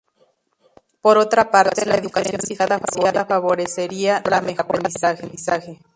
Por otra parte, la educación diferenciada favorecería la mejora del aprendizaje.